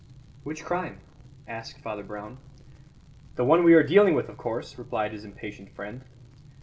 "Which crime?" asked Father Brown. "The one we are dealing with, of course," replied his impatient friend.